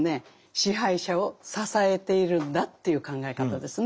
支配者を支えているんだという考え方ですね。